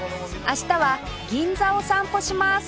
明日は銀座を散歩します